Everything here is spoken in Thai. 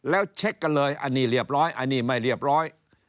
แล้วเช็คกันเลยอันนี้เรียบร้อยอันนี้ไม่เรียบร้อย